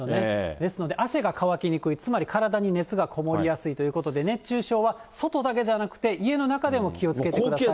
ですので汗が乾きにくい、つまり体に熱が込もりやすいということで、熱中症は外だけじゃなくて、家の中でも気をつけてください。